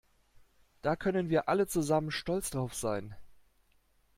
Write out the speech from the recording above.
Da können wir alle zusammen stolz drauf sein!